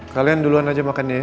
kalian duluan aja makan ya